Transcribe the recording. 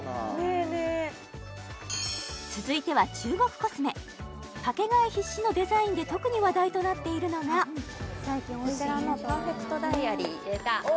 え続いては中国コスメパケ買い必至のデザインで特に話題となっているのがこちらのパーフェクトダイアリー出た！